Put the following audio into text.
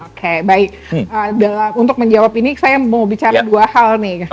oke baik untuk menjawab ini saya mau bicara dua hal nih